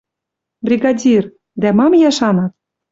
Бригадир... Дӓ мам йӓ шанат?